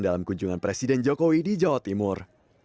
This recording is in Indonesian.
dalam kunjungan presiden jokowi di jawa timur